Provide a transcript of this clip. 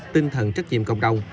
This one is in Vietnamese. tinh thần trách nhiệm cộng đồng